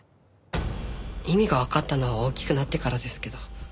意味がわかったのは大きくなってからですけど。